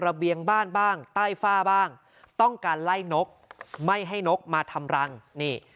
เบียงบ้านบ้างใต้ฝ้าบ้างต้องการไล่นกไม่ให้นกมาทำรังนี่